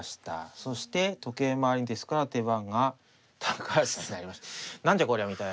そして時計回りですから手番が高橋さんになります。